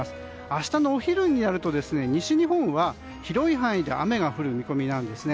明日のお昼になると、西日本は広い範囲で雨が降る見込みです。